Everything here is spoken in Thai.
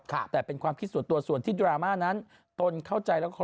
แต่เป็นความคิดส่วนตัวส่วนที่ดราม่านั้นตนเข้าใจแล้วขอ